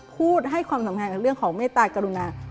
พูดให้ความสำคัญกับเรื่องของเมตตากรุณา